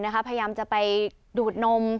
พยายามจะไปดูดนม